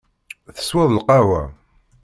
Tesseweḍ lqahwa?